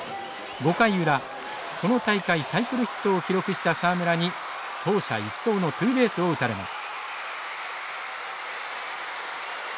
５回裏この大会サイクルヒットを記録した沢村に走者一掃のツーベースを打たれます。